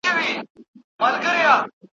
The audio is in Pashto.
ټولنه د انسان د بدن غوندې کار کوي.